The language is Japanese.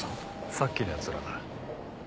さっきの奴らだ。